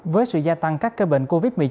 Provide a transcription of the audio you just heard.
với sự gia tăng các cơ bệnh covid một mươi chín